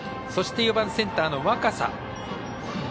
そして、４番センターの若狭。